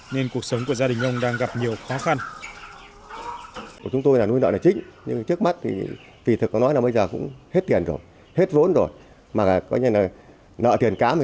nên cuộc sống của gia đình ông đang gặp nhiều khó khăn